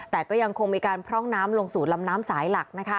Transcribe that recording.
แต่ก็ยังคงมีการพร่องน้ำลงสู่ลำน้ำสายหลัก